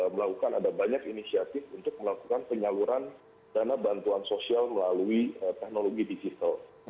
melakukan ada banyak inisiatif untuk melakukan penyaluran dana bantuan sosial melalui teknologi digital